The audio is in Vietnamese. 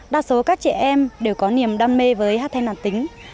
đa số các trẻ em đều có niềm đam mê với hát then đàn tính